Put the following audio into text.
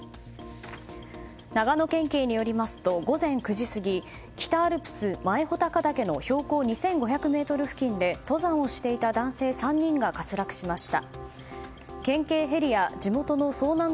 長野県警によりますと午前９時過ぎ北アルプス前穂高岳の標高２５００ｍ付近で登山をしていた男性３人が滑落しました。